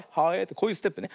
こういうステップね。